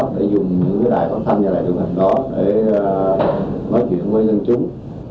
để dùng những cái đài hóa thanh như đại tượng hành đó để nói chuyện với dân chúng